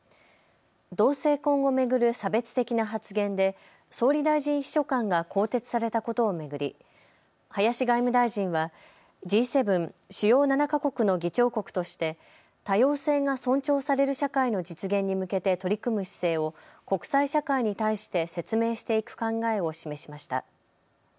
同性婚を巡る差別的な発言で総理大臣秘書官が更迭されたことを巡り林外務大臣はＧ７・主要７か国の議長国として多様性が尊重される社会の実現に向けて取り組む姿勢を国際社会に対して説明していく考えを示しました。